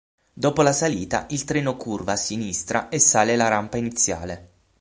Dopo la salita il treno curva a sinistra e sale la rampa iniziale.